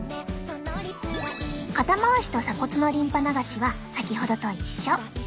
肩回しと鎖骨のリンパ流しは先ほどと一緒。